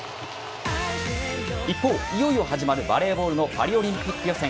一方、いよいよ始まるバレーボールのパリオリンピック予選。